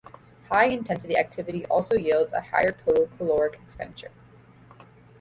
High intensity activity also yields a higher total caloric expenditure.